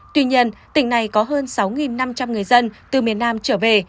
tuy nhiên tỉnh này có hơn sáu năm trăm linh người dân từ miền nam trở về